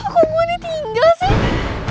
kok mau ini tinggal sih